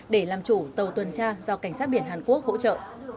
để làm chủ tàu tuần tra do cảnh sát biển hàn quốc hỗ trợ